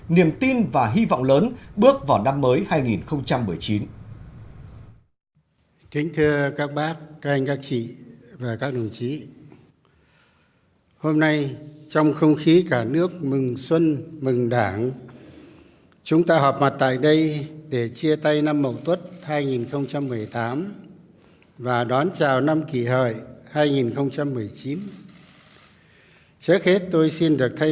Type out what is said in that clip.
niềm tin và hy vọng lớn bước vào năm mới hai nghìn một mươi chín